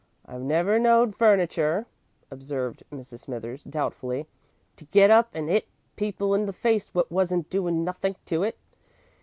"I've never knowed furniture," observed Mrs. Smithers, doubtfully, "to get up and 'it people in the face wot wasn't doin' nothink to it.